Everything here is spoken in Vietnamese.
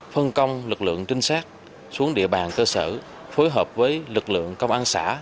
phân công lực lượng trinh sát xuống địa bàn cơ sở phối hợp với lực lượng công an xã